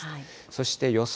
そして予想